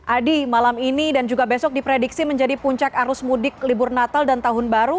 adi malam ini dan juga besok diprediksi menjadi puncak arus mudik libur natal dan tahun baru